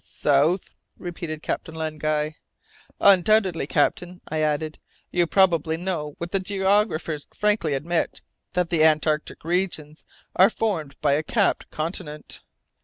"South?" repeated Captain Len Guy. "Undoubtedly, captain," I added. "You probably know what the geographers frankly admit, that the antarctic regions are formed by a capped continent."